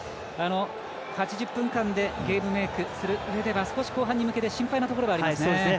８０分間でゲームメイクするうえでは少し後半に向けて心配なところがありますね。